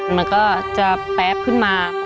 มันก็จะแป๊บขึ้นมา